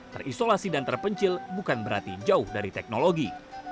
terisolasi dan terpencil bukan berarti jauh dari teknologi